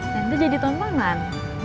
nanti jadi tontonan